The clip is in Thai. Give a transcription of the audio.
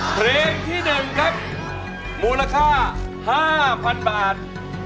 เพลงที่๑ครับมูลค่า๕๐๐๐บาท